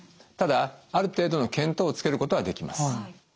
ただある程度の見当をつけることはできます。